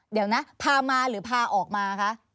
เดี๋ยวนะพามาหรือพาออกมาคะ